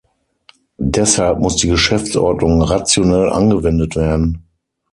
Deshalb muss die Geschäftsordnung rationell angewendet werden.